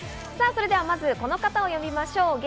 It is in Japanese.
それでは、まずこの方を呼びましょう。